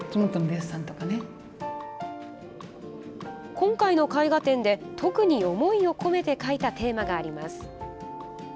今回の絵画展で特に思いを込めて描いたテーマがあります。